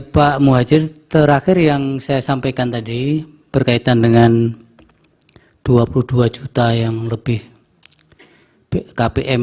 pak muhajir terakhir yang saya sampaikan tadi berkaitan dengan dua puluh dua juta yang lebih kpm